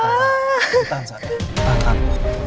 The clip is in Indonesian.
tahan sa tahan tahan